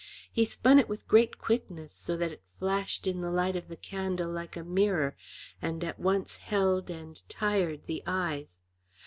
He spun it with great quickness, so that it flashed in the light of the candle like a mirror, and at once held and tired the eyes.